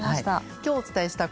きょうお伝えした＃